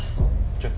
ちょっ。